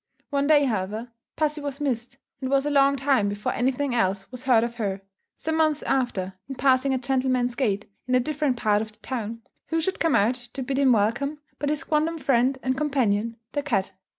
One day, however, pussy was missed, and it was a long time before anything else was heard of her. Some months after, in passing a gentleman's gate, in a different part of the town, who should come out to bid him welcome, but his quondam friend and companion the cat.